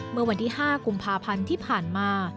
เมื่อวันที่๕กุมภาพันธ์ที่ผ่านมา